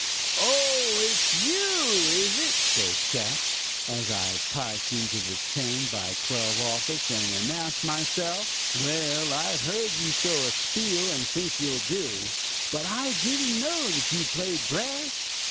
"'Oh, it's you, is it?' says Cap., as I piked into the ten by twelve office and announced myself. 'Well, I've heard you throw a spiel and think you'll do. But I didn't know that you played brass.